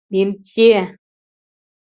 Минтье!..